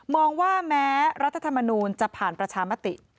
ว่าแม้รัฐธรรมนูลจะผ่านประชามติ